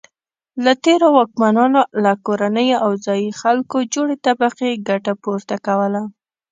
له تېرو واکمنانو له کورنیو او ځايي خلکو جوړې طبقې ګټه پورته کوله.